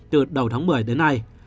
từ đầu tháng một mươi đến nay